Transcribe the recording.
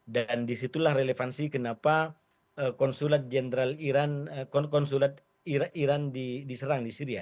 dan disitulah relevansi kenapa konsulat general iran diserang di syria